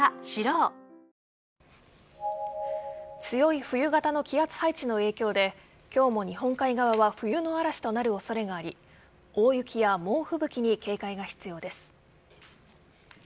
強い冬型の気圧配置の影響で今日も日本海側は冬の嵐となる恐れがあり大雪や猛吹雪に警戒が必要です。